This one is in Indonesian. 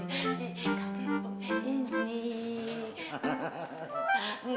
gak ada yang punya